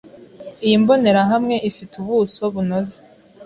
Iyi mbonerahamwe ifite ubuso bunoze.